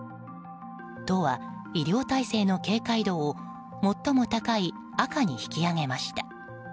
都は、医療体制の警戒度を最も高い赤に引き上げました。